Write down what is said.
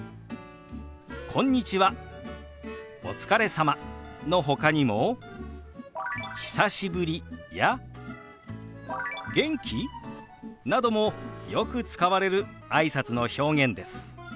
「こんにちは」「お疲れ様」のほかにも「久しぶり」や「元気？」などもよく使われるあいさつの表現です。